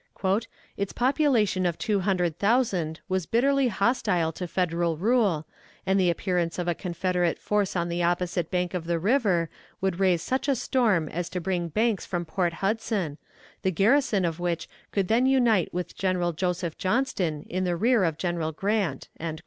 "Its population of two hundred thousand was bitterly hostile to Federal rule, and the appearance of a Confederate force on the opposite bank of the river would raise such a storm as to bring Banks from Port Hudson, the garrison of which could then unite with General Joseph Johnston in the rear of General Grant."